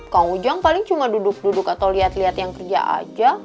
kak ujang paling cuma duduk duduk atau liat liat yang kerja aja